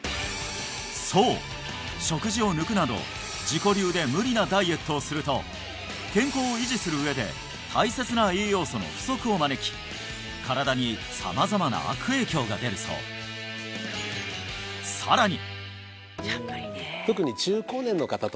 そう食事を抜くなど自己流で無理なダイエットをすると健康を維持する上で大切な栄養素の不足を招き身体に様々な悪影響が出るそうさらに！